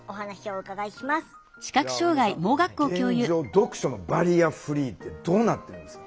読書のバリアフリーってどうなってるんですか？